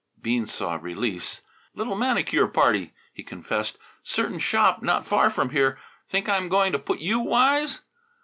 Bean saw release. "Little manicure party," he confessed; "certain shop not far from here. Think I'm going to put you wise?"